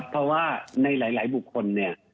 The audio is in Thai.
เพราะว่าในหลายบุคคลเนี่ย